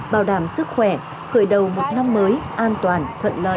bảo đảm sức khỏe khởi đầu một năm mới an toàn thuận lợi